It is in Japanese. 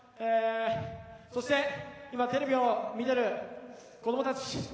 そして、今テレビを見ている子供たち。